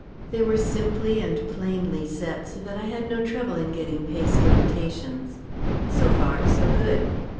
They were simply and plainly set, so that I had no trouble in getting paste imitations. "So far, so good.